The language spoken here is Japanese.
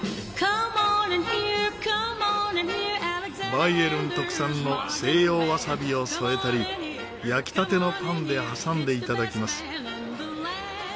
バイエルン特産の西洋わさびを添えたり焼きたてのパンで挟んで頂きます。